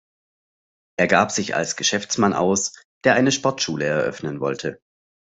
Er gab sich als Geschäftsmann aus, der eine Sportschule eröffnen wollte.